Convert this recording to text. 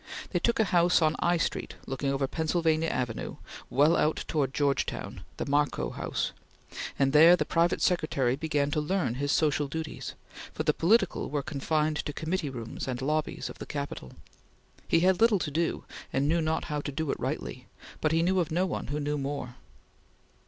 They took a house on I Street, looking over Pennsylvania Avenue, well out towards Georgetown the Markoe house and there the private secretary began to learn his social duties, for the political were confined to committee rooms and lobbies of the Capitol. He had little to do, and knew not how to do it rightly, but he knew of no one who knew more.